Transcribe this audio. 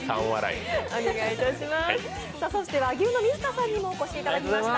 そして和牛の水田さんにもお越しいただきました。